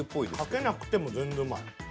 かけなくても全然うまい。